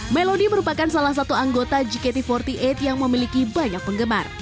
melodi merupakan salah satu anggota gkt empat puluh delapan yang memiliki banyak penggemar